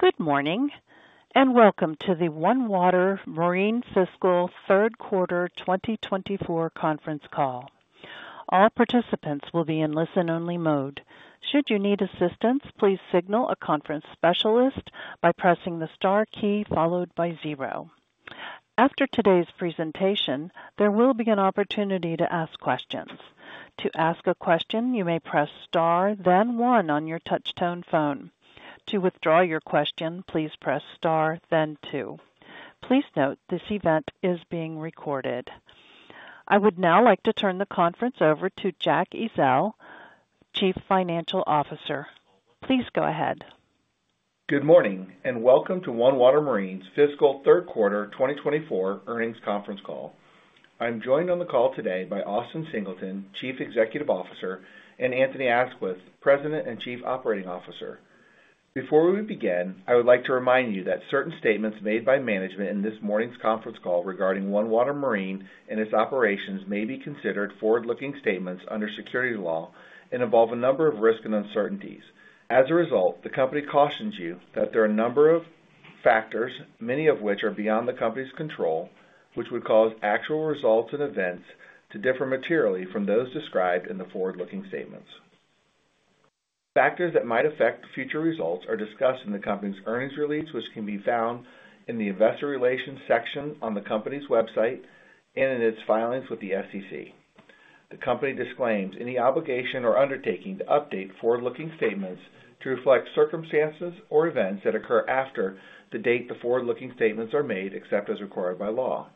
Good morning, and welcome to the OneWater Marine Fiscal Q3 2024 Conference Call. All participants will be in listen-only mode. Should you need assistance, please signal a conference specialist by pressing the star key followed by zero. After today's presentation, there will be an opportunity to ask questions. To ask a question, you may press star, then one on your touchtone phone. To withdraw your question, please press star, then two. Please note, this event is being recorded. I would now like to turn the conference over to Jack Ezzell, Chief Financial Officer. Please go ahead. Good morning, and welcome to OneWater Marine's Fiscal Q3 2024 Earnings Conference Call. I'm joined on the call today by Austin Singleton, Chief Executive Officer, and Anthony Aisquith, President and Chief Operating Officer. Before we begin, I would like to remind you that certain statements made by management in this morning's conference call regarding OneWater Marine and its operations may be considered forward-looking statements under securities law and involve a number of risks and uncertainties. As a result, the company cautions you that there are a number of factors, many of which are beyond the company's control, which would cause actual results and events to differ materially from those described in the forward-looking statements. Factors that might affect future results are discussed in the company's earnings release, which can be found in the Investor Relations section on the company's website and in its filings with the SEC. The company disclaims any obligation or undertaking to update forward-looking statements to reflect circumstances or events that occur after the date the forward-looking statements are made, except as required by law.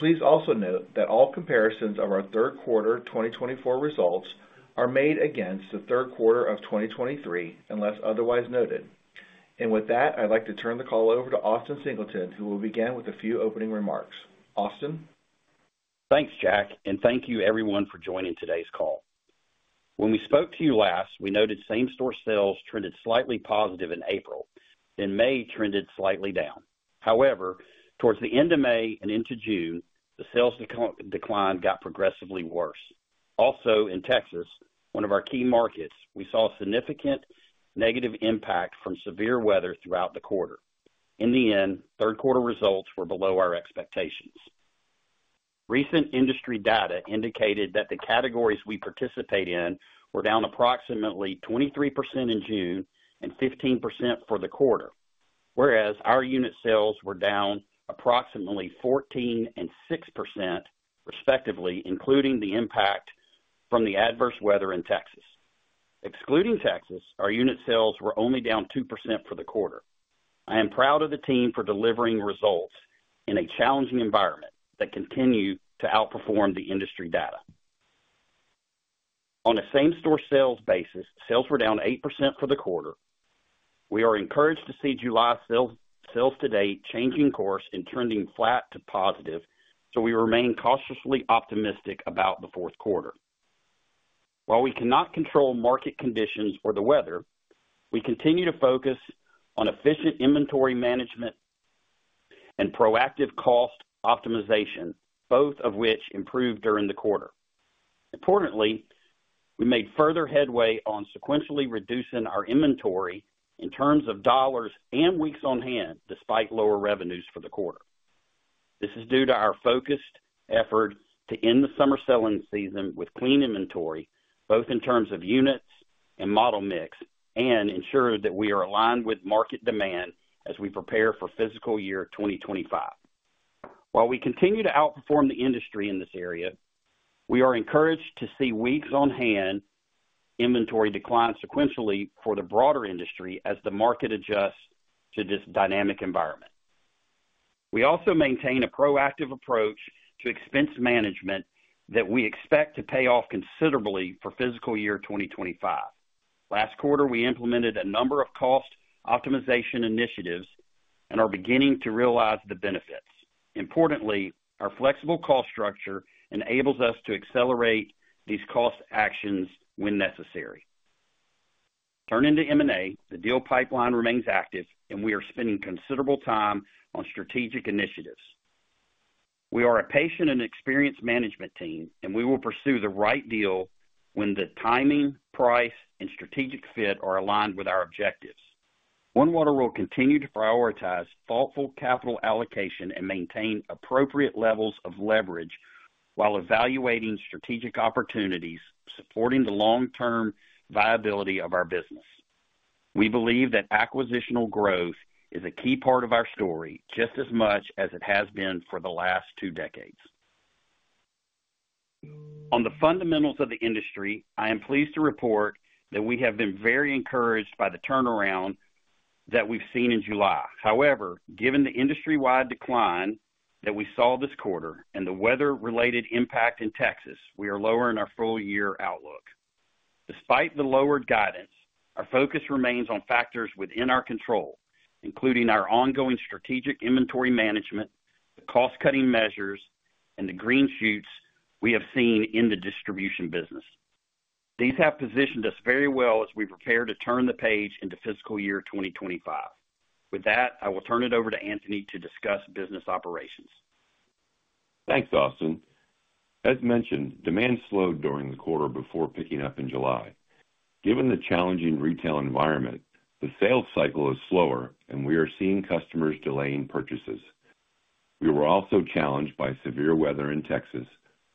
Please also note that all comparisons of our Q3 2024 results are made against the Q3 of 2023, unless otherwise noted. With that, I'd like to turn the call over to Austin Singleton, who will begin with a few opening remarks. Austin? Thanks, Jack, and thank you everyone for joining today's call. When we spoke to you last, we noted same-store sales trended slightly positive in April, then May trended slightly down. However, towards the end of May and into June, the sales decline got progressively worse. Also, in Texas, one of our key markets, we saw significant negative impact from severe weather throughout the quarter. In the end, Q3 results were below our expectations. Recent industry data indicated that the categories we participate in were down approximately 23% in June and 15% for the quarter, whereas our unit sales were down approximately 14 and 6%, respectively, including the impact from the adverse weather in Texas. Excluding Texas, our unit sales were only down 2% for the quarter. I am proud of the team for delivering results in a challenging environment that continue to outperform the industry data. On a same-store sales basis, sales were down 8% for the quarter. We are encouraged to see July sales, sales to date changing course and trending flat to positive, so we remain cautiously optimistic about the Q4. While we cannot control market conditions or the weather, we continue to focus on efficient inventory management and proactive cost optimization, both of which improved during the quarter. Importantly, we made further headway on sequentially reducing our inventory in terms of dollars and weeks on hand, despite lower revenues for the quarter. This is due to our focused effort to end the summer selling season with clean inventory, both in terms of units and model mix, and ensure that we are aligned with market demand as we prepare for fiscal year 2025. While we continue to outperform the industry in this area, we are encouraged to see weeks on hand inventory decline sequentially for the broader industry as the market adjusts to this dynamic environment. We also maintain a proactive approach to expense management that we expect to pay off considerably for fiscal year 2025. Last quarter, we implemented a number of cost optimization initiatives and are beginning to realize the benefits. Importantly, our flexible cost structure enables us to accelerate these cost actions when necessary. Turning to M&A, the deal pipeline remains active and we are spending considerable time on strategic initiatives. We are a patient and experienced management team, and we will pursue the right deal when the timing, price, and strategic fit are aligned with our objectives. OneWater will continue to prioritize thoughtful capital allocation and maintain appropriate levels of leverage while evaluating strategic opportunities, supporting the long-term viability of our business. We believe that acquisitional growth is a key part of our story, just as much as it has been for the last two decades. On the fundamentals of the industry, I am pleased to report that we have been very encouraged by the turnaround that we've seen in July. However, given the industry-wide decline that we saw this quarter and the weather-related impact in Texas, we are lowering our full-year outlook. Despite the lowered guidance, our focus remains on factors within our control, including our ongoing strategic inventory management, the cost-cutting measures, and the green shoots we have seen in the distribution business. These have positioned us very well as we prepare to turn the page into fiscal year 2025. With that, I will turn it over to Anthony to discuss business operations. Thanks, Austin. As mentioned, demand slowed during the quarter before picking up in July. Given the challenging retail environment, the sales cycle is slower and we are seeing customers delaying purchases. We were also challenged by severe weather in Texas,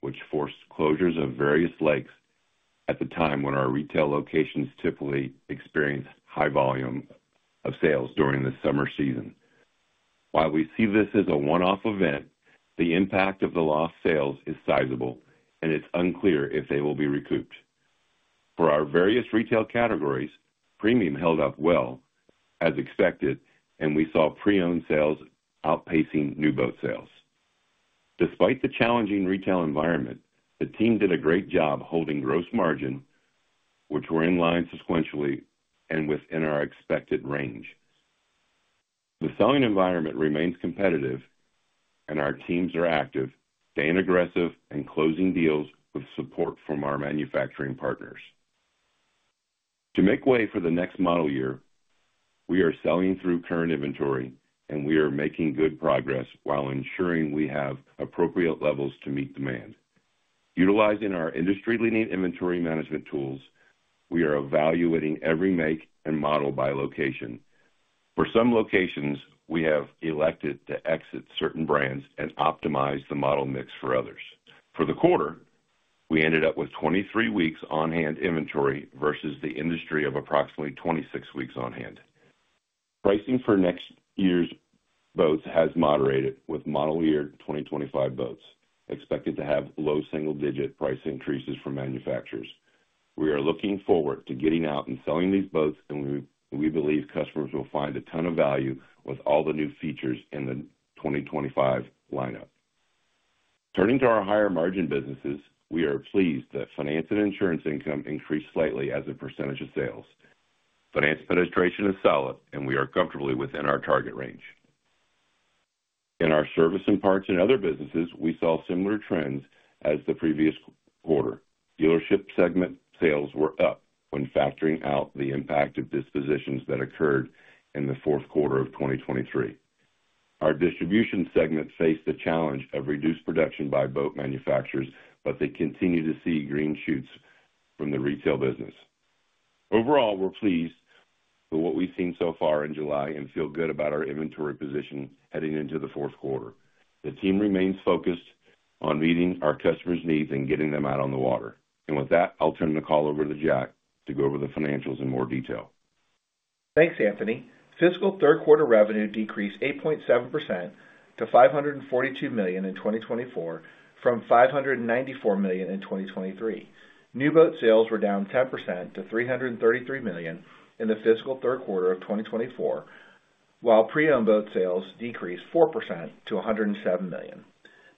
which forced closures of various lakes at the time when our retail locations typically experience high volume of sales during the summer season. While we see this as a one-off event, the impact of the lost sales is sizable, and it's unclear if they will be recouped. For our various retail categories, premium held up well, as expected, and we saw pre-owned sales outpacing new boat sales. Despite the challenging retail environment, the team did a great job holding gross margin, which were in line sequentially and within our expected range. The selling environment remains competitive and our teams are active, staying aggressive and closing deals with support from our manufacturing partners. To make way for the next model year, we are selling through current inventory, and we are making good progress while ensuring we have appropriate levels to meet demand. Utilizing our industry-leading inventory management tools, we are evaluating every make and model by location. For some locations, we have elected to exit certain brands and optimize the model mix for others. For the quarter, we ended up with 23 weeks on hand inventory versus the industry of approximately 26 weeks on hand. Pricing for next year's boats has moderated, with Model Year 2025 boats expected to have low single-digit price increases from manufacturers. We are looking forward to getting out and selling these boats, and we believe customers will find a ton of value with all the new features in the 2025 lineup. Turning to our higher-margin businesses, we are pleased that finance and insurance income increased slightly as a percentage of sales. Finance penetration is solid, and we are comfortably within our target range. In our service and parts and other businesses, we saw similar trends as the previous quarter. Dealership segment sales were up when factoring out the impact of dispositions that occurred in the Q4 of 2023. Our distribution segment faced the challenge of reduced production by boat manufacturers, but they continue to see green shoots from the retail business. Overall, we're pleased with what we've seen so far in July and feel good about our inventory position heading into the Q4. The team remains focused on meeting our customers' needs and getting them out on the water. With that, I'll turn the call over to Jack to go over the financials in more detail. Thanks, Anthony. Fiscal Q3 revenue decreased 8.7% to $542 million in 2024, from $594 million in 2023. New boat sales were down 10% to $333 million in the fiscal Q3 of 2024, while pre-owned boat sales decreased 4% to $107 million.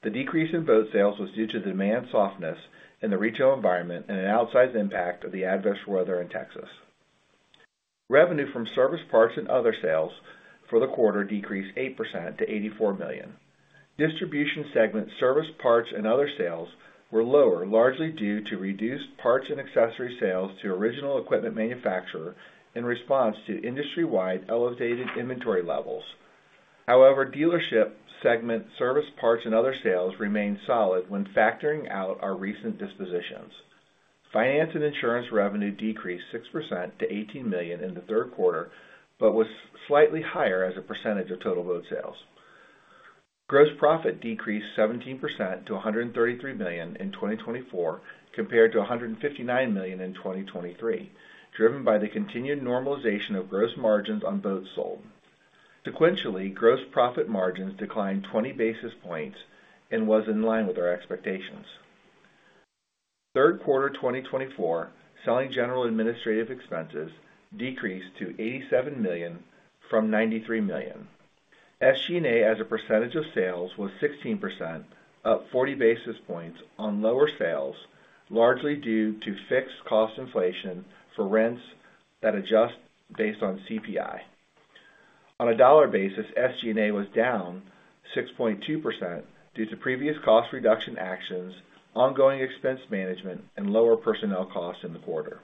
The decrease in boat sales was due to demand softness in the retail environment and an outsized impact of the adverse weather in Texas. Revenue from service, parts, and other sales for the quarter decreased 8% to $84 million. Distribution segment service, parts, and other sales were lower, largely due to reduced parts and accessory sales to original equipment manufacturer in response to industry-wide elevated inventory levels. However, dealership segment service, parts and other sales remained solid when factoring out our recent dispositions. Finance and insurance revenue decreased 6% to $18 million in the Q3, but was slightly higher as a percentage of total boat sales. Gross profit decreased 17% to $133 million in 2024, compared to $159 million in 2023, driven by the continued normalization of gross margins on boats sold. Sequentially, gross profit margins declined 20 basis points and was in line with our expectations. Q3 2024, selling, general, administrative expenses decreased to $87 million from $93 million. SG&A, as a percentage of sales, was 16%, up 40 basis points on lower sales, largely due to fixed cost inflation for rents that adjust based on CPI. On a dollar basis, SG&A was down 6.2% due to previous cost reduction actions, ongoing expense management, and lower personnel costs in the quarter.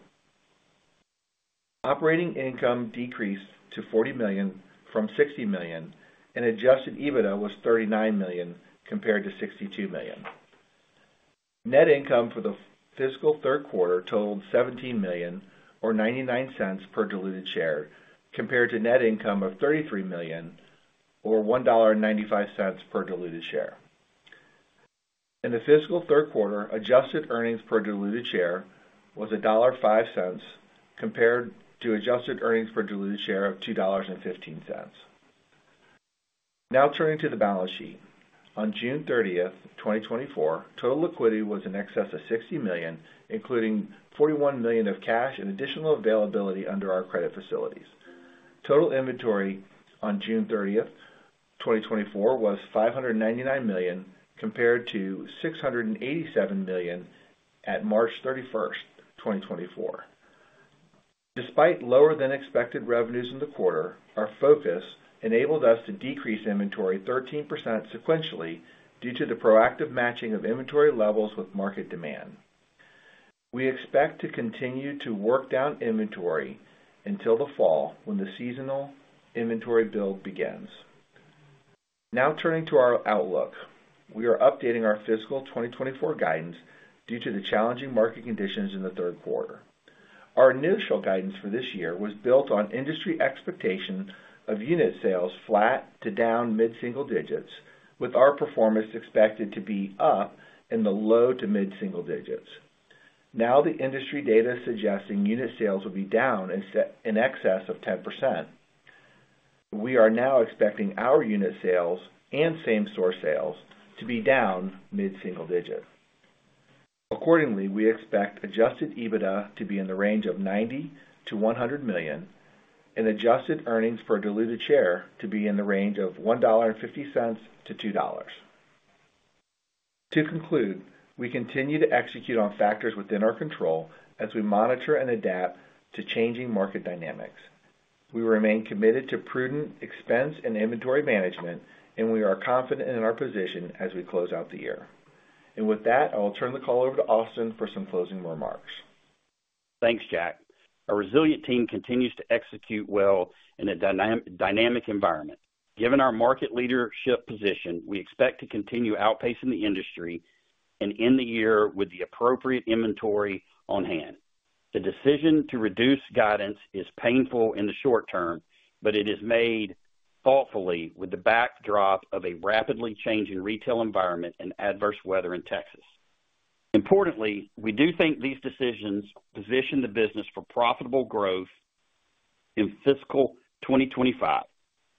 Operating income decreased to $40 million from $60 million, and Adjusted EBITDA was $39 million compared to $62 million. Net income for the fiscal Q3 totaled $17 million or $0.99 per diluted share, compared to net income of $33 million or $1.95 per diluted share. In the fiscal Q3, adjusted earnings per diluted share was $1.05 compared to adjusted earnings per diluted share of $2.15. Now turning to the balance sheet. On June 30, 2024, total liquidity was in excess of $60 million, including $41 million of cash and additional availability under our credit facilities. Total inventory on June 30, 2024, was $599 million, compared to $687 million at March 31, 2024. Despite lower-than-expected revenues in the quarter, our focus enabled us to decrease inventory 13% sequentially due to the proactive matching of inventory levels with market demand. We expect to continue to work down inventory until the fall, when the seasonal inventory build begins. Now turning to our outlook. We are updating our fiscal 2024 guidance due to the challenging market conditions in the Q3. Our initial guidance for this year was built on industry expectation of unit sales flat to down mid-single digits, with our performance expected to be up in the low to mid-single digits. Now, the industry data is suggesting unit sales will be down in excess of 10%. We are now expecting our unit sales and same-store sales to be down mid-single digit. Accordingly, we expect Adjusted EBITDA to be in the range of $90 million-$100 million, and adjusted earnings per diluted share to be in the range of $1.50-$2.00. To conclude, we continue to execute on factors within our control as we monitor and adapt to changing market dynamics. We remain committed to prudent expense and inventory management, and we are confident in our position as we close out the year. With that, I will turn the call over to Austin for some closing remarks. Thanks, Jack. Our resilient team continues to execute well in a dynamic environment. Given our market leadership position, we expect to continue outpacing the industry and end the year with the appropriate inventory on hand. The decision to reduce guidance is painful in the short term, but it is made thoughtfully with the backdrop of a rapidly changing retail environment and adverse weather in Texas. Importantly, we do think these decisions position the business for profitable growth in fiscal 2025.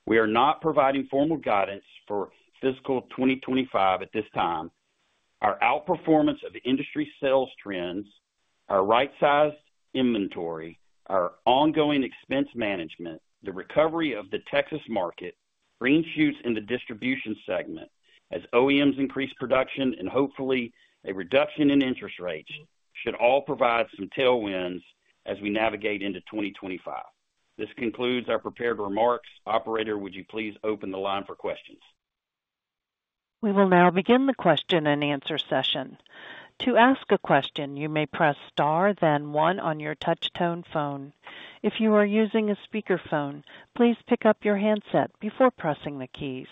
We are not providing formal guidance for fiscal 2025 at this time. Our outperformance of industry sales trends, our right-sized inventory, our ongoing expense management, the recovery of the Texas market, green shoots in the distribution segment as OEMs increase production, and hopefully a reduction in interest rates should all provide some tailwinds as we navigate into 2025. This concludes our prepared remarks. Operator, would you please open the line for questions? We will now begin the question-and-answer session. To ask a question, you may press star, then one on your touch tone phone. If you are using a speakerphone, please pick up your handset before pressing the keys.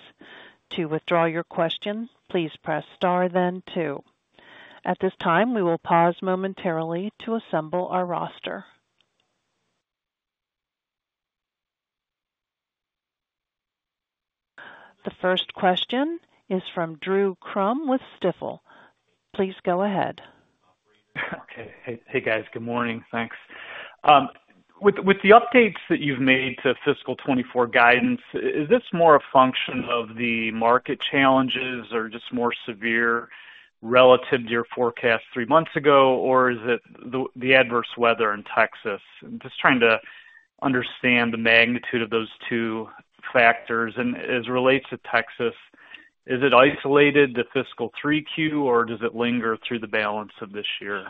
To withdraw your question, please press star then two. At this time, we will pause momentarily to assemble our roster. The first question is from Drew Crum with Stifel. Please go ahead. Okay. Hey, guys. Good morning. Thanks. With the updates that you've made to fiscal 2024 guidance, is this more a function of the market challenges or just more severe relative to your forecast three months ago? Or is it the adverse weather in Texas? Just trying to understand the magnitude of those two factors. And as it relates to Texas, is it isolated to fiscal 3Q, or does it linger through the balance of this year?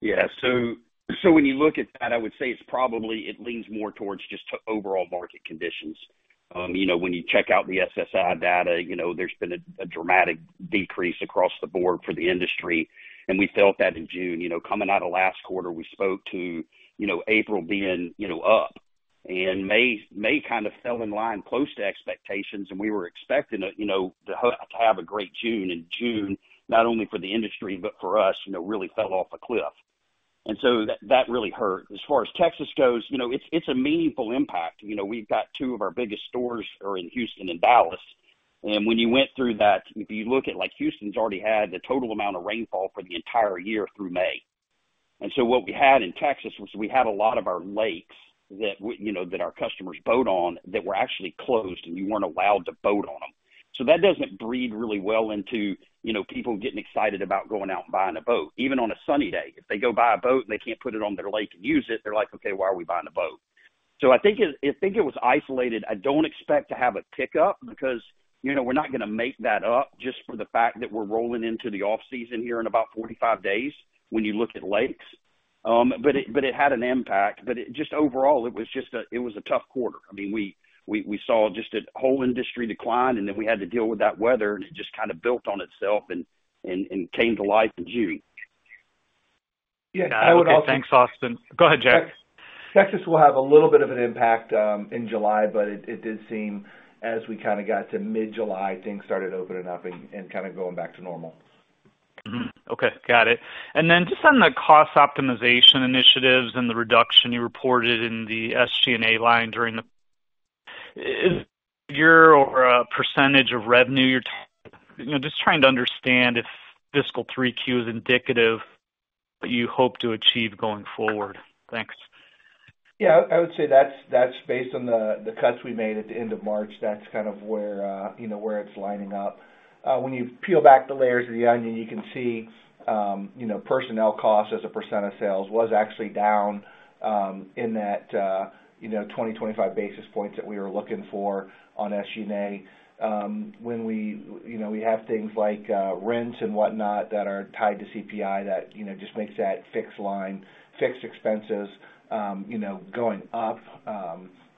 Yeah, so, so when you look at that, I would say it's probably, it leans more towards just to overall market conditions. You know, when you check out the SSI data, you know, there's been a dramatic decrease across the board for the industry, and we felt that in June. You know, coming out of last quarter, we spoke to, you know, April being, you know, up. And May, May kind of fell in line close to expectations, and we were expecting it, you know, to have a great June. And June, not only for the industry, but for us, you know, really fell off a cliff, and so that really hurt. As far as Texas goes, you know, it's a meaningful impact. You know, we've got two of our biggest stores are in Houston and Dallas. When you went through that, if you look at, like, Houston's already had the total amount of rainfall for the entire year through May. And so what we had in Texas was we had a lot of our lakes that we, you know, that our customers boat on, that were actually closed, and you weren't allowed to boat on them. So that doesn't breed really well into, you know, people getting excited about going out and buying a boat, even on a sunny day. If they go buy a boat and they can't put it on their lake and use it, they're like: "Okay, why are we buying a boat?" So I think it, I think it was isolated. I don't expect to have a pickup because, you know, we're not gonna make that up just for the fact that we're rolling into the off-season here in about 45 days when you look at lakes. But it had an impact. But it just overall, it was just a tough quarter. I mean, we saw just a whole industry decline, and then we had to deal with that weather, and it just kind of built on itself and came to life in June. Yeah. Okay. Thanks, Austin. Go ahead, Jack. Texas will have a little bit of an impact in July, but it did seem as we kind of got to mid-July, things started opening up and kind of going back to normal. Mm-hmm. Okay, got it. And then just on the cost optimization initiatives and the reduction you reported in the SG&A line during the ... Is your or, percentage of revenue you're— You know, just trying to understand if fiscal 3Q is indicative that you hope to achieve going forward. Thanks. Yeah, I would say that's based on the cuts we made at the end of March. That's kind of where, you know, where it's lining up. When you peel back the layers of the onion, you can see, you know, personnel costs as a percent of sales was actually down, in that, you know, 20-25 basis points that we were looking for on SG&A. When we, you know, we have things like, rents and whatnot that are tied to CPI, that, you know, just makes that fixed line, fixed expenses, you know, going up,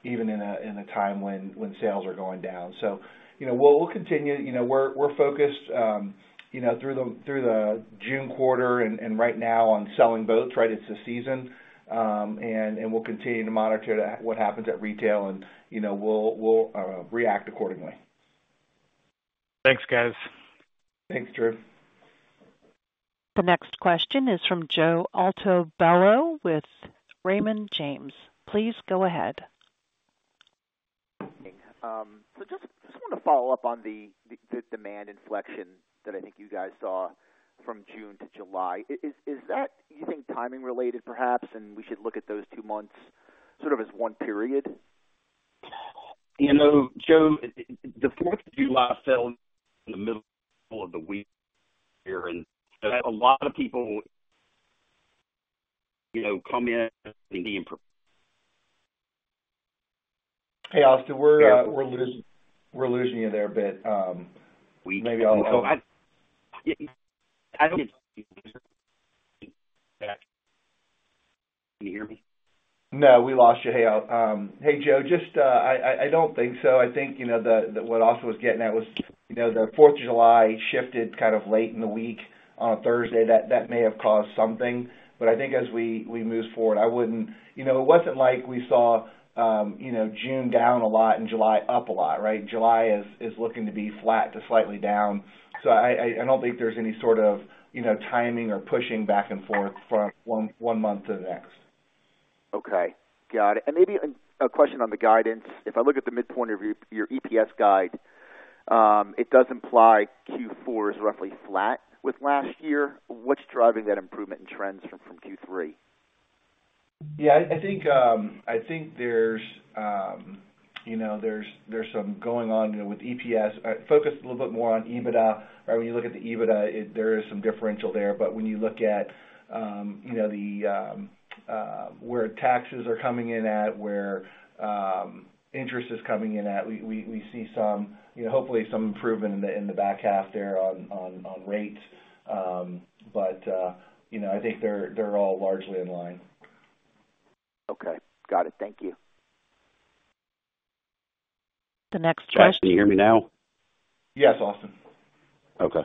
even in a time when sales are going down. So, you know, we'll continue, you know, we're focused, you know, through the June quarter and right now on selling boats, right? It's the season. And we'll continue to monitor to what happens at retail and, you know, we'll react accordingly. ...Thanks, guys. Thanks, Drew. The next question is from Joe Altobello with Raymond James. Please go ahead. So just want to follow up on the demand inflection that I think you guys saw from June to July. Is that you think timing related, perhaps, and we should look at those two months sort of as one period? You know, Joe, the Fourth of July fell in the middle of the week here, and a lot of people, you know, come in and- Hey, Austin, we're losing you there a bit. Maybe I'll- Can you hear me? No, we lost you. Hey, hey, Joe, just, I don't think so. I think, you know, the - what Austin was getting at was, you know, the Fourth of July shifted kind of late in the week on Thursday. That may have caused something, but I think as we move forward, I wouldn't... You know, it wasn't like we saw, you know, June down a lot and July up a lot, right? July is looking to be flat to slightly down. So I don't think there's any sort of, you know, timing or pushing back and forth from one month to the next. Okay, got it. And maybe a question on the guidance. If I look at the midpoint of your EPS guide, it does imply Q4 is roughly flat with last year. What's driving that improvement in trends from Q3? Yeah, I think there's, you know, there's some going on, you know, with EPS. Focus a little bit more on EBITDA, right? When you look at the EBITDA, there is some differential there. But when you look at, you know, the where taxes are coming in at, where interest is coming in at, we see some, you know, hopefully some improvement in the back half there on rates. But, you know, I think they're all largely in line. Okay. Got it. Thank you. The next question- Can you hear me now? Yes, Austin. Okay.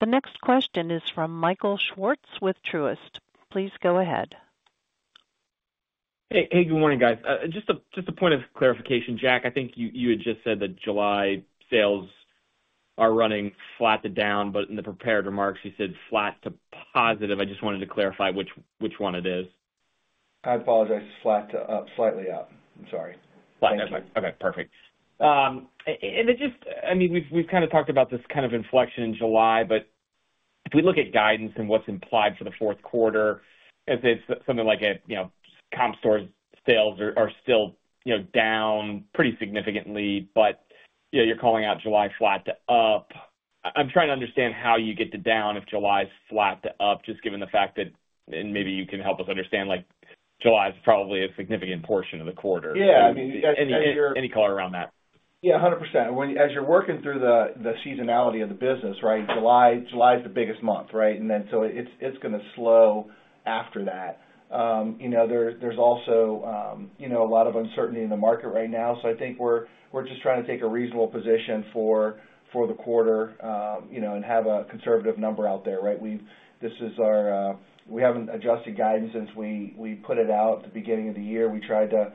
The next question is from Michael Swartz, with Truist. Please go ahead. Hey, hey, good morning, guys. Just a point of clarification, Jack. I think you had just said that July sales are running flat to down, but in the prepared remarks, you said flat to positive. I just wanted to clarify which one it is? I apologize, flat to up, slightly up. I'm sorry. Flat to up. Okay, perfect. And it just—I mean, we've kind of talked about this kind of inflection in July, but if we look at guidance and what's implied for the Q4, if it's something like, you know, comp store sales are still, you know, down pretty significantly, but, you know, you're calling out July flat to up. I'm trying to understand how you get to down if July is flat to up, just given the fact that, and maybe you can help us understand, like, July is probably a significant portion of the quarter. Yeah, I mean, as you're- Any color around that? Yeah, 100%. When, as you're working through the seasonality of the business, right? July is the biggest month, right? And then, so it's gonna slow after that. You know, there's also, you know, a lot of uncertainty in the market right now. So I think we're just trying to take a reasonable position for the quarter, you know, and have a conservative number out there, right? We've. This is our. We haven't adjusted guidance since we put it out at the beginning of the year. We tried to,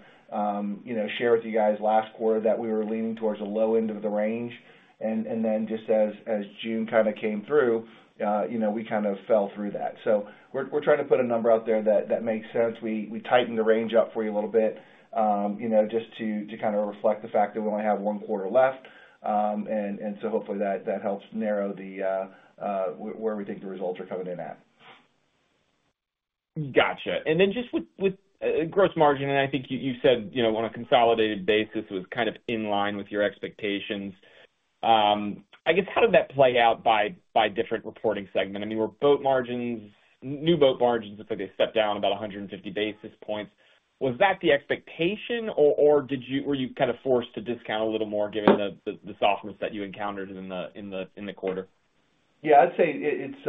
you know, share with you guys last quarter that we were leaning towards the low end of the range. And then just as June kind of came through, you know, we kind of fell through that. So we're trying to put a number out there that makes sense. We tightened the range up for you a little bit, you know, just to kind of reflect the fact that we only have one quarter left. So hopefully that helps narrow the where we think the results are coming in at. Gotcha. And then just with gross margin, and I think you said, you know, on a consolidated basis, was kind of in line with your expectations. I guess, how did that play out by different reporting segment? I mean, were boat margins - new boat margins, looks like they stepped down about 150 basis points. Was that the expectation, or did you - were you kind of forced to discount a little more given the softness that you encountered in the quarter? Yeah, I'd say it's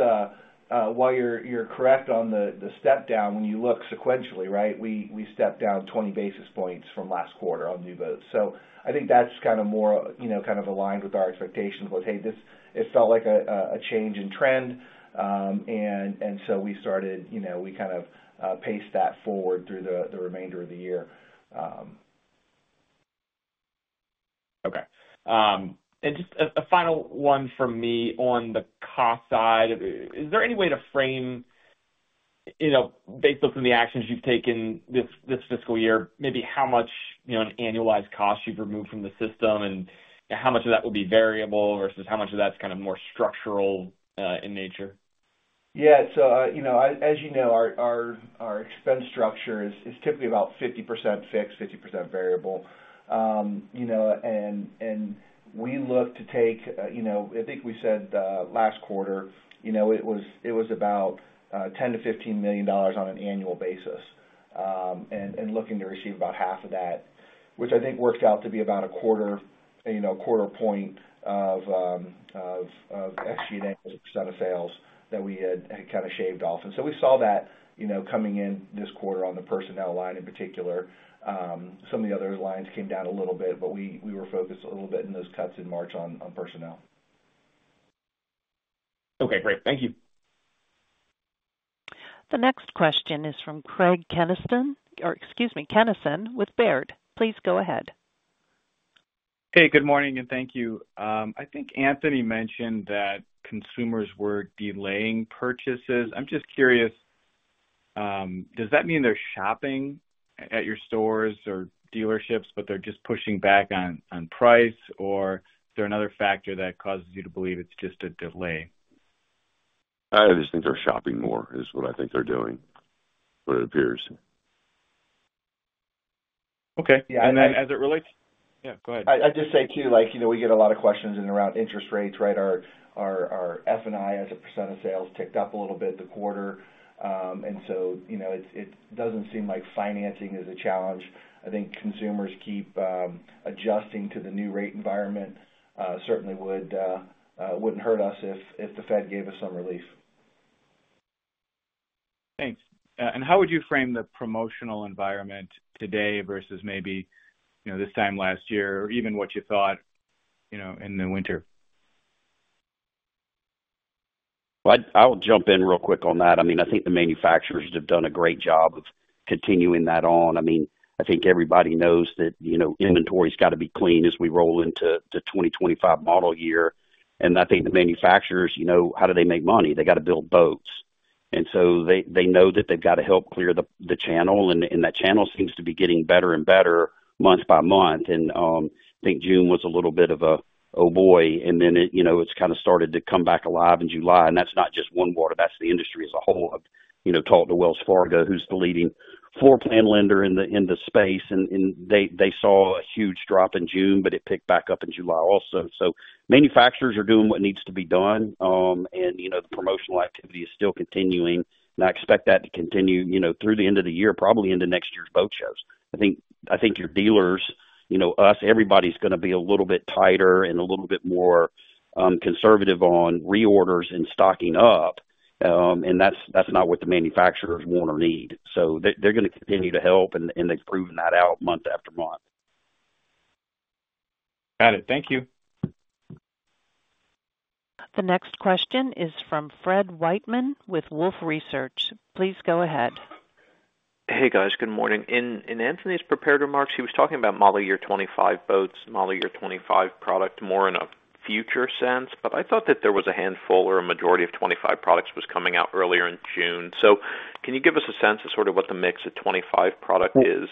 while you're correct on the step down, when you look sequentially, right, we stepped down 20 basis points from last quarter on new boats. So I think that's kind of more, you know, kind of aligned with our expectations was, hey, this, it felt like a change in trend. And so we started, you know, we kind of paced that forward through the remainder of the year. Okay. And just a final one from me on the cost side. Is there any way to frame, you know, based off of the actions you've taken this fiscal year, maybe how much, you know, an annualized cost you've removed from the system, and how much of that would be variable versus how much of that's kind of more structural in nature? Yeah, so, you know, as you know, our expense structure is typically about 50% fixed, 50% variable. You know, and we look to take, you know, I think we said last quarter, you know, it was about $10 million-$15 million on an annual basis, and looking to receive about half of that, which I think worked out to be about 0.25, you know, 0.25 point of SG&A % of sales that we had kind of shaved off. And so we saw that, you know, coming in this quarter on the personnel line in particular. Some of the other lines came down a little bit, but we were focused a little bit in those cuts in March on personnel. Okay, great. Thank you. The next question is from Craig Kennison, or excuse me, with Baird. Please go ahead. Hey, good morning, and thank you. I think Anthony mentioned that consumers were delaying purchases. I'm just curious, does that mean they're shopping at your stores or dealerships, but they're just pushing back on price, or is there another factor that causes you to believe it's just a delay? I just think they're shopping more, is what I think they're doing. What it appears. Okay. Yeah. And as it relates... Yeah, go ahead. I'd just say, too, like, you know, we get a lot of questions in around interest rates, right? Our F&I, as a % of sales, ticked up a little bit the quarter. And so, you know, it doesn't seem like financing is a challenge. I think consumers keep adjusting to the new rate environment. Certainly wouldn't hurt us if the Fed gave us some relief. Thanks. How would you frame the promotional environment today versus maybe, you know, this time last year, or even what you thought, you know, in the winter? Well, I, I'll jump in real quick on that. I mean, I think the manufacturers have done a great job of continuing that on. I mean, I think everybody knows that, you know, inventory's got to be clean as we roll into the 2025 model year. And I think the manufacturers, you know, how do they make money? They got to build boats. And so they, they know that they've got to help clear the, the channel, and, and that channel seems to be getting better and better month by month. And, I think June was a little bit of a, "Oh, boy," and then it, you know, it's kind of started to come back alive in July. And that's not just one boat, that's the industry as a whole. I've you know talked to Wells Fargo, who's the leading floorplan lender in the space, and they saw a huge drop in June, but it picked back up in July also. So manufacturers are doing what needs to be done. And you know, the promotional activity is still continuing, and I expect that to continue you know through the end of the year, probably into next year's boat shows. I think your dealers you know us, everybody's going to be a little bit tighter and a little bit more conservative on reorders and stocking up. And that's not what the manufacturers want or need. So they're going to continue to help, and they've proven that out month after month. Got it. Thank you. The next question is from Fred Wightman with Wolfe Research. Please go ahead. Hey, guys. Good morning. In Anthony's prepared remarks, he was talking about model year 25 boats, model year 25 product, more in a future sense, but I thought that there was a handful or a majority of 25 products was coming out earlier in June. So can you give us a sense of sort of what the mix of 25 product is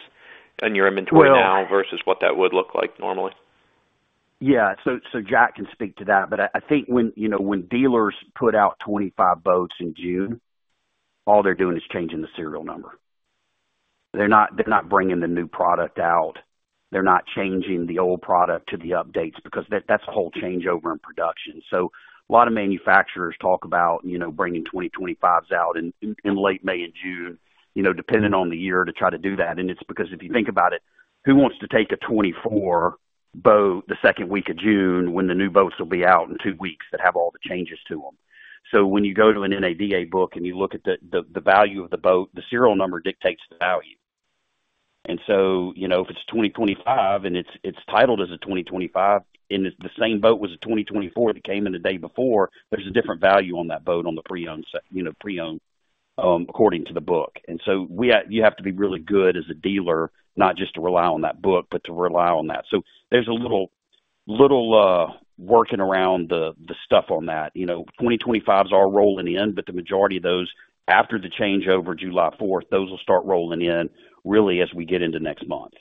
in your inventory now versus what that would look like normally? Yeah. So Jack can speak to that, but I think when, you know, when dealers put out 25 boats in June, all they're doing is changing the serial number. They're not bringing the new product out. They're not changing the old product to the updates because that's a whole changeover in production. So a lot of manufacturers talk about, you know, bringing 2025s out in late May and June, you know, depending on the year, to try to do that. And it's because if you think about it, who wants to take a 2024 boat the second week of June when the new boats will be out in two weeks, that have all the changes to them? So when you go to an NADA book and you look at the value of the boat, the serial number dictates the value. And so, you know, if it's 2025 and it's titled as a 2025, and it's the same boat as a 2024 that came in the day before, there's a different value on that boat, on the pre-owned, you know, pre-owned, according to the book. And so we, you have to be really good as a dealer, not just to rely on that book, but to rely on that. So there's a little working around the stuff on that. You know, 2025s are rolling in, but the majority of those, after the changeover, July 4, those will start rolling in really as we get into next month.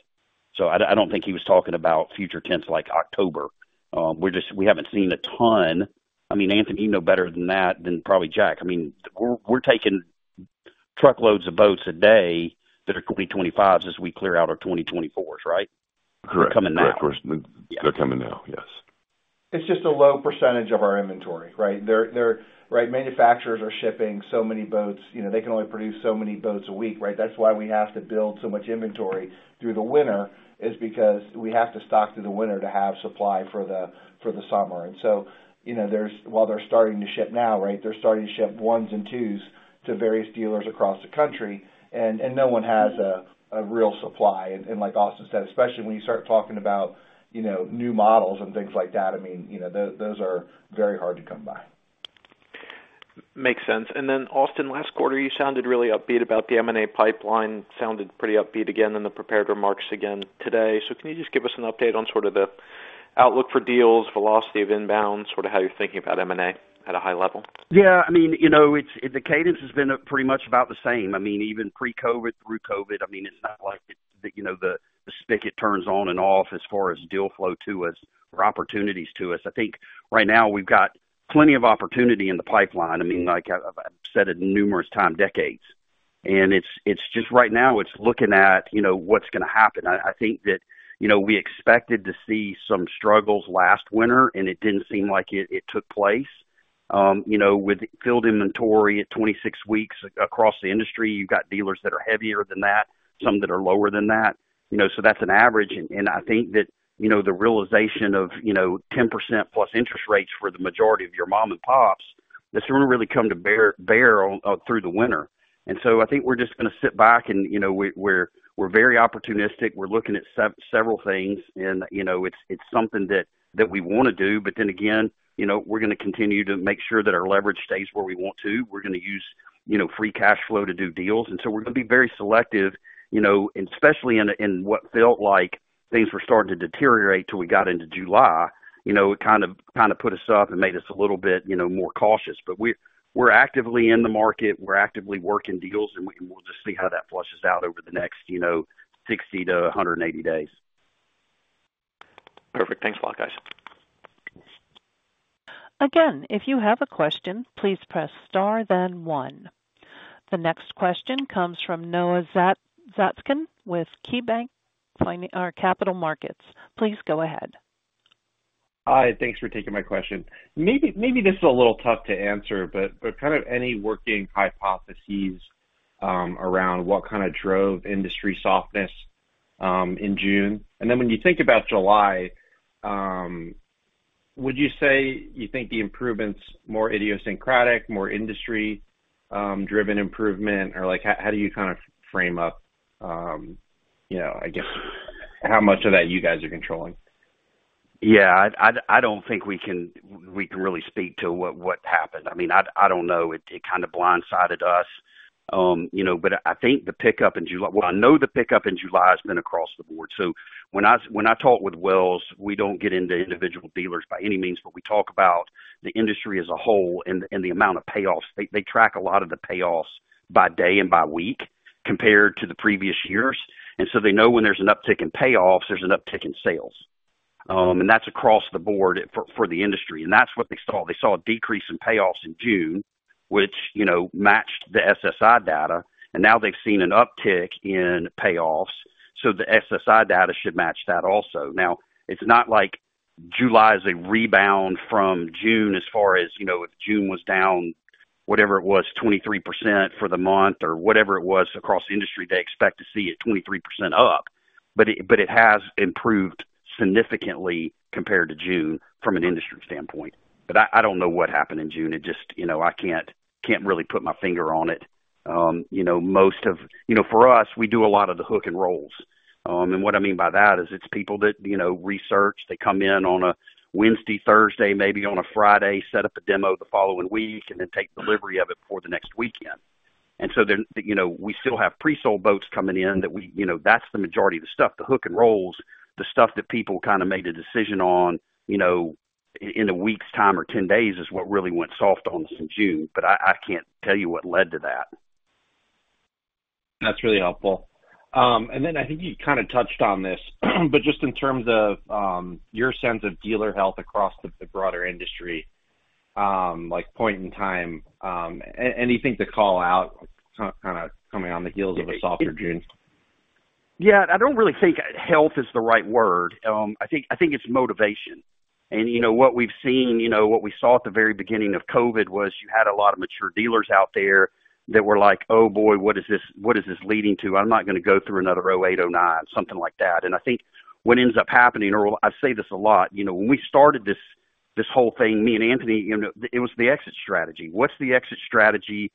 So I don't think he was talking about future tense like October. We're just, we haven't seen a ton. I mean, Anthony, you know better than that than probably Jack. I mean, we're taking truckloads of boats a day that are 2025s as we clear out our 2024s, right? Correct. They're coming now. They're coming now. Yes. It's just a low percentage of our inventory, right? Right, manufacturers are shipping so many boats, you know, they can only produce so many boats a week, right? That's why we have to build so much inventory through the winter, is because we have to stock through the winter to have supply for the, for the summer. And so, you know, there's, while they're starting to ship now, right, they're starting to ship ones and twos to various dealers across the country, and, and no one has a, a real supply. And, and like Austin said, especially when you start talking about, you know, new models and things like that, I mean, you know, those are very hard to come by. Makes sense. And then, Austin, last quarter, you sounded really upbeat about the M&A pipeline. Sounded pretty upbeat again in the prepared remarks again today. So can you just give us an update on sort of the outlook for deals, velocity of inbound, sort of how you're thinking about M&A at a high level? Yeah, I mean, you know, it's the cadence has been pretty much about the same. I mean, even pre-COVID through COVID, I mean, it's not like, you know, the spigot turns on and off as far as deal flow to us or opportunities to us. I think right now we've got plenty of opportunity in the pipeline. I mean, like I've said it numerous times, decades. And it's just right now, it's looking at, you know, what's going to happen. I think that, you know, we expected to see some struggles last winter, and it didn't seem like it took place. You know, with full inventory at 26 weeks across the industry, you've got dealers that are heavier than that, some that are lower than that. You know, so that's an average. And I think that, you know, the realization of, you know, 10% plus interest rates for the majority of your mom and pops—this one really come to bear through the winter. And so I think we're just going to sit back and, you know, we're very opportunistic. We're looking at several things and, you know, it's something that we want to do. But then again, you know, we're going to continue to make sure that our leverage stays where we want to. We're going to use, you know, free cash flow to do deals, and so we're going to be very selective, you know, especially in what felt like things were starting to deteriorate till we got into July. You know, it kind of put us up and made us a little bit, you know, more cautious. But we're actively in the market, we're actively working deals, and we'll just see how that flushes out over the next, you know, 60 to 180 days. Perfect. Thanks a lot, guys. Again, if you have a question, please press star, then one. The next question comes from Noah Zatskin with KeyBanc Capital Markets. Please go ahead. Hi, thanks for taking my question. Maybe this is a little tough to answer, but kind of any working hypotheses around what kind of drove industry softness in June? And then when you think about July, would you say you think the improvement's more idiosyncratic, more industry driven improvement? Or, like, how do you kind of frame up, you know, I guess, how much of that you guys are controlling? Yeah, I don't think we can really speak to what happened. I mean, I don't know. It kind of blindsided us. You know, but I think the pickup in July... Well, I know the pickup in July has been across the board. So when I talk with Wells, we don't get into individual dealers by any means, but we talk about the industry as a whole and the amount of payoffs. They track a lot of the payoffs by day and by week compared to the previous years. And so they know when there's an uptick in payoffs, there's an uptick in sales. And that's across the board for the industry. And that's what they saw. They saw a decrease in payoffs in June, which, you know, matched the SSI data, and now they've seen an uptick in payoffs, so the SSI data should match that also. Now, it's not like July is a rebound from June as far as, you know, if June was down, whatever it was, 23% for the month or whatever it was across the industry, they expect to see it 23% up. But it, but it has improved significantly compared to June from an industry standpoint. But I, I don't know what happened in June. It just, you know, I can't, can't really put my finger on it. You know, most of... You know, for us, we do a lot of the hook and rolls. And what I mean by that is it's people that, you know, research. They come in on a Wednesday, Thursday, maybe on a Friday, set up a demo the following week, and then take delivery of it before the next weekend. And so then, you know, we still have pre-sold boats coming in that we, you know, that's the majority of the stuff, the Hook and Rolls, the stuff that people kind of made a decision on, you know, in a week's time or 10 days is what really went soft on us in June, but I can't tell you what led to that. That's really helpful. And then I think you kind of touched on this, but just in terms of your sense of dealer health across the broader industry, like point in time, anything to call out, kind of coming on the heels of a softer June? Yeah. I don't really think health is the right word. I think, I think it's motivation. And, you know, what we've seen, you know, what we saw at the very beginning of COVID was you had a lot of mature dealers out there that were like, "Oh, boy, what is this, what is this leading to? I'm not going to go through another 2008, 2009," something like that. And I think what ends up happening, or I say this a lot, you know, when we started this, this whole thing, me and Anthony, you know, it was the exit strategy. What's the exit strategy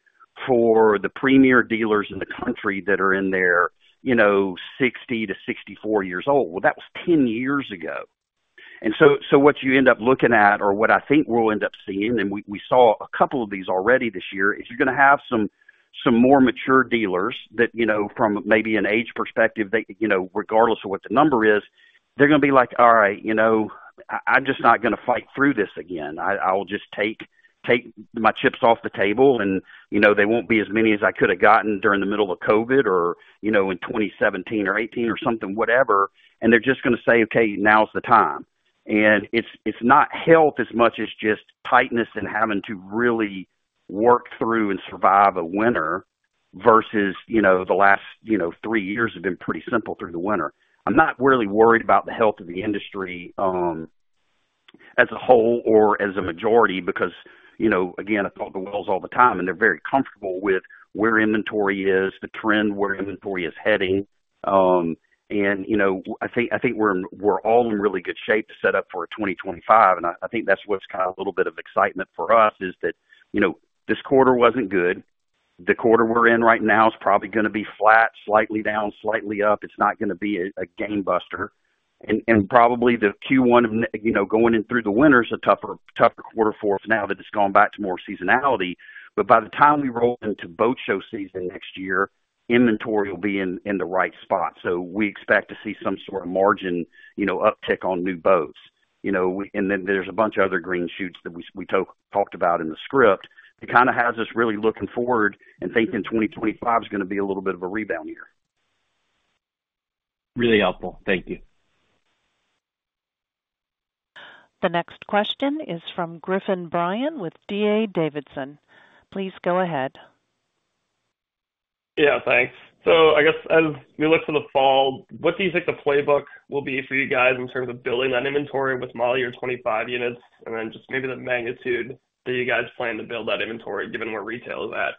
for the premier dealers in the country that are in there, you know, 60 to 64 years old? Well, that was 10 years ago. And so what you end up looking at, or what I think we'll end up seeing, and we saw a couple of these already this year, is you're going to have some more mature dealers that, you know, from maybe an age perspective, they, you know, regardless of what the number is, they're going to be like, "All right, you know, I'm just not going to fight through this again. I will just take my chips off the table, and, you know, they won't be as many as I could have gotten during the middle of COVID or, you know, in 2017 or 2018 or something, whatever. And they're just going to say, "Okay, now is the time." And it's not health as much as just tightness and having to really work through and survive a winter versus, you know, the last, you know, three years have been pretty simple through the winter. I'm not really worried about the health of the industry as a whole or as a majority because, you know, again, I talk to Wells all the time, and they're very comfortable with where inventory is, the trend, where inventory is heading. And you know, I think, I think we're, we're all in really good shape to set up for 2025, and I, I think that's what's kind of a little bit of excitement for us, is that, you know, this quarter wasn't good. The quarter we're in right now is probably going to be flat, slightly down, slightly up. It's not going to be a, a game buster. And probably the Q1 of next, you know, going in through the winter is a tougher, tougher quarter for us now that it's gone back to more seasonality. But by the time we roll into boat show season next year, inventory will be in, in the right spot. So we expect to see some sort of margin, you know, uptick on new boats. You know, and then there's a bunch of other green shoots that we talked about in the script. It kind of has us really looking forward and thinking 2025 is going to be a little bit of a rebound year. Really helpful. Thank you. The next question is from Griffin Bryan with D.A. Davidson. Please go ahead. Yeah, thanks. So I guess as we look to the fall, what do you think the playbook will be for you guys in terms of building that inventory with model year 25 units? And then just maybe the magnitude that you guys plan to build that inventory, given where retail is at?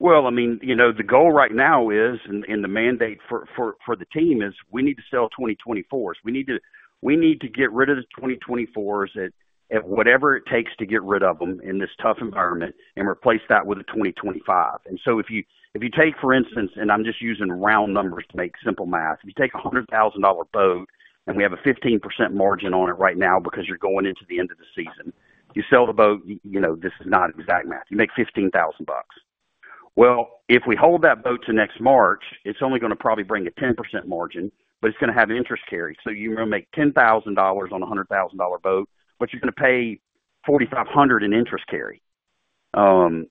...Well, I mean, you know, the goal right now is, and the mandate for the team is we need to sell 2024s. We need to, we need to get rid of the 2024s at, at whatever it takes to get rid of them in this tough environment and replace that with a 2025. And so if you take, for instance, and I'm just using round numbers to make simple math, if you take a $100,000 boat and we have a 15% margin on it right now because you're going into the end of the season. You sell the boat, you know, this is not exact math. You make $15,000. Well, if we hold that boat to next March, it's only going to probably bring a 10% margin, but it's going to have an interest carry. So you're going to make $10,000 on a $100,000 boat, but you're going to pay $4,500 in interest carry,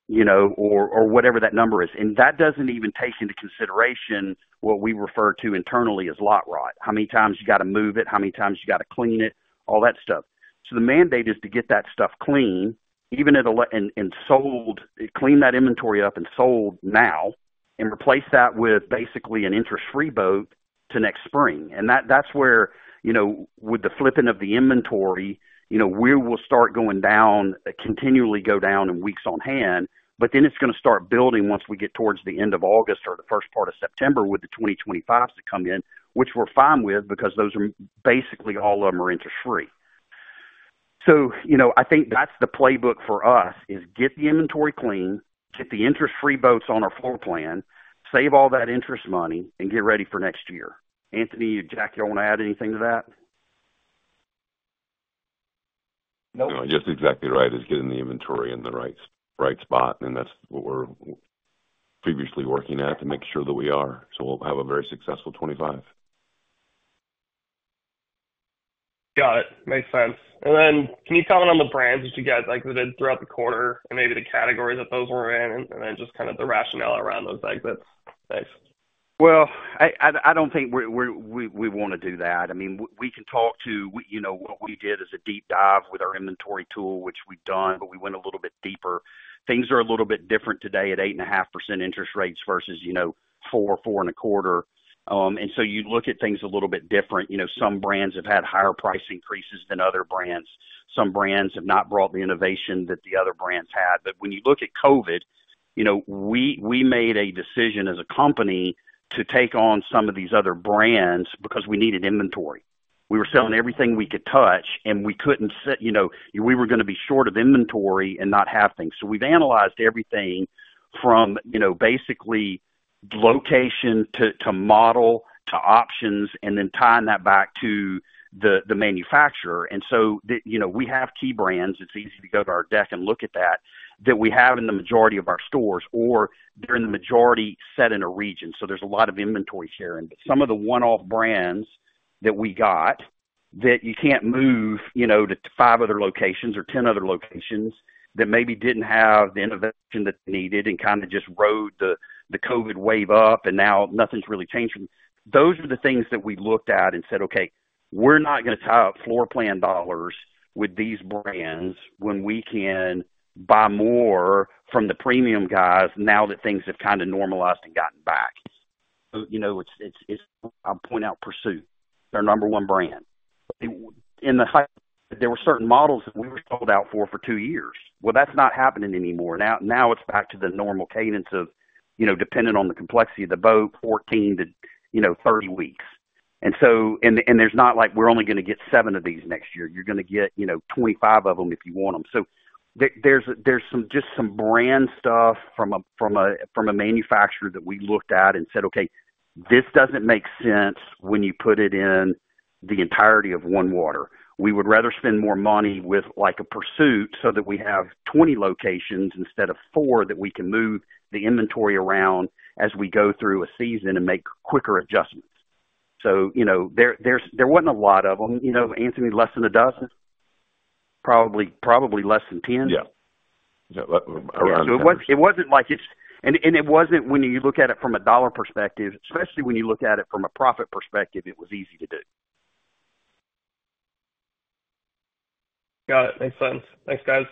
you know, or whatever that number is. And that doesn't even take into consideration what we refer to internally as Lot Rot. How many times you got to move it, how many times you got to clean it, all that stuff. So the mandate is to get that stuff clean, even at a loss, clean that inventory up and sold now and replace that with basically an interest-free boat to next spring. That's where, you know, with the flipping of the inventory, you know, we will start going down, continually go down in weeks on hand, but then it's going to start building once we get towards the end of August or the first part of September with the 2025s to come in, which we're fine with because those are basically all of them are interest free. So, you know, I think that's the playbook for us, is get the inventory clean, get the interest-free boats on our floor plan, save all that interest money, and get ready for next year. Anthony, Jack, you want to add anything to that? No, just exactly right, is getting the inventory in the right, right spot, and that's what we're previously working at to make sure that we are, so we'll have a very successful 2025. Got it. Makes sense. Then can you comment on the brands that you guys liquidated throughout the quarter and maybe the categories that those were in, and then just kind of the rationale around those liquidations? Thanks. Well, I don't think we want to do that. I mean, we can talk to, you know, what we did as a deep dive with our inventory tool, which we've done, but we went a little bit deeper. Things are a little bit different today at 8.5% interest rates versus, you know, 4%-4.25%. And so you look at things a little bit different. You know, some brands have had higher price increases than other brands. Some brands have not brought the innovation that the other brands had. But when you look at COVID, you know, we made a decision as a company to take on some of these other brands because we needed inventory. We were selling everything we could touch, and we couldn't see, you know, we were going to be short of inventory and not have things. So we've analyzed everything from, you know, basically location to model, to options, and then tying that back to the manufacturer. And so, you know, we have key brands. It's easy to go to our deck and look at that we have in the majority of our stores, or they're in the majority set in a region, so there's a lot of inventory sharing. But some of the one-off brands that we got that you can't move, you know, to five other locations or 10 other locations, that maybe didn't have the innovation that's needed and kind of just rode the COVID wave up and now nothing's really changed. Those are the things that we looked at and said, "Okay, we're not going to tie up floor plan dollars with these brands when we can buy more from the premium guys now that things have kind of normalized and gotten back." You know, it's... I'll point out Pursuit, their number one brand. In the height, there were certain models that we were sold out for two years. Well, that's not happening anymore. Now it's back to the normal cadence of, you know, depending on the complexity of the boat, 14 to 30 weeks. And so, and there's not like, we're only going to get 7 of these next year. You're going to get, you know, 25 of them if you want them. So there's some brand stuff from a manufacturer that we looked at and said, "Okay, this doesn't make sense when you put it in the entirety of OneWater. We would rather spend more money with, like, a Pursuit so that we have 20 locations instead of 4, that we can move the inventory around as we go through a season and make quicker adjustments." So, you know, there wasn't a lot of them, you know, Anthony, less than a dozen? Probably less than 10. Yeah. Around 10. It wasn't like it's, and it wasn't when you look at it from a dollar perspective, especially when you look at it from a profit perspective. It was easy to do. Got it. Makes sense. Thanks, guys.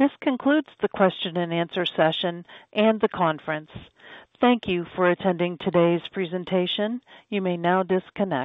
This concludes the question and answer session and the conference. Thank you for attending today's presentation. You may now disconnect.